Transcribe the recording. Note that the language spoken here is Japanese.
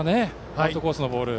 アウトコースのボールを。